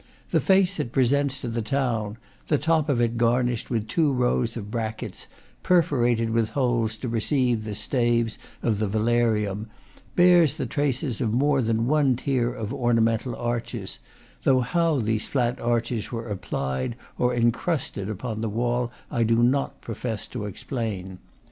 The face it presents to the town the top of it garnished with two rows of brackets, perforated with holes to receive the staves of the vela rium bears the traces of more than one tier of orna mental arches; though how these flat arches were applied, or incrusted, upon the wall, I do not profess to explain.